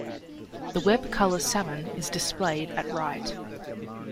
The web color salmon is displayed at right.